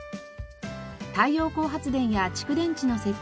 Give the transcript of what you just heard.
太陽光発電や蓄電池の設置